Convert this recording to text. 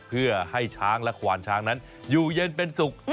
เพื่อให้ช้างและขวานช้างนั้นอยู่เย็นเป็นสุข